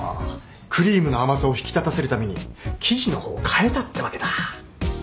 クリームの甘さを引き立たせるために生地の方を変えたってわけだ。